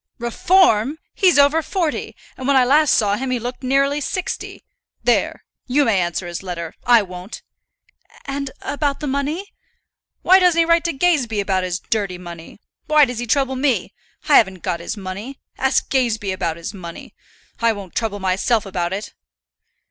"Reform! He's over forty, and when I last saw him he looked nearly sixty. There; you may answer his letter; I won't." "And about the money?" "Why doesn't he write to Gazebee about his dirty money? Why does he trouble me? I haven't got his money. Ask Gazebee about his money. I won't trouble myself about it."